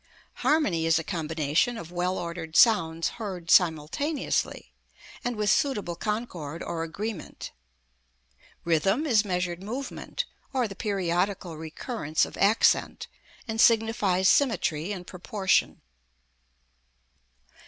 Harmony is a combination of well ordered sounds heard simultaneously, and with suitable concord, or agreement. Rhythm is measured movement, or the periodical recurrence of accent; and signifies symmetry and proportion.